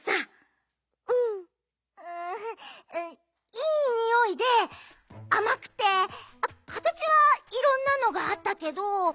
いいにおいであまくてかたちはいろんなのがあったけど。